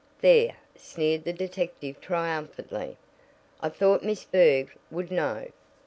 "There!" sneered the detective triumphantly, "I thought Miss Berg would know."